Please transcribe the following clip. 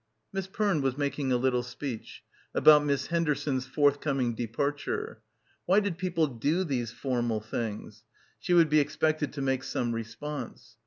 Miss Perne was making a little speech ... about Miss Henderson's forthcoming departure. Why did people do these formal things? She would be expected to make some response.